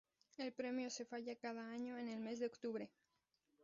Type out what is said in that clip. El premio se falla cada año en el mes de octubre.